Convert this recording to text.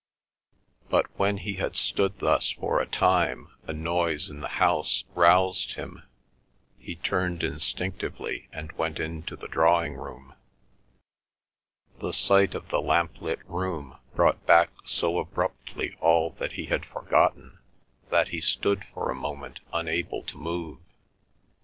But when he had stood thus for a time a noise in the house roused him; he turned instinctively and went into the drawing room. The sight of the lamp lit room brought back so abruptly all that he had forgotten that he stood for a moment unable to move.